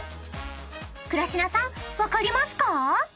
［倉科さん分かりますか？］